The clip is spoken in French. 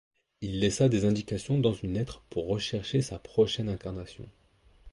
Il laissa des indications dans une lettre pour rechercher sa prochaine incarnation.